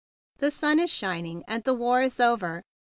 The sun is shining, and the war is over.